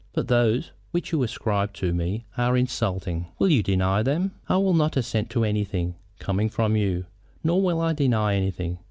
But those which you ascribe to me are insulting." "Will you deny them?" "I will not assent to anything, coming from you, nor will I deny anything.